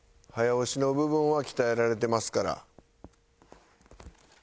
早押しの部分は鍛えられてますから。